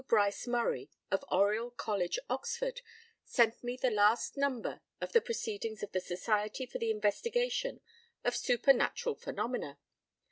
Bryce Murray, of Oriel College, Oxford, sent me the last number of the Proceedings of the Society for the Investigation of Supernatural Phenomena.